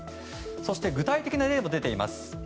そして具体的な例も出ています。